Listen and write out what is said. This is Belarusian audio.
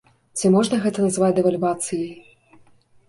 Ці можна гэта назваць дэвальвацыяй?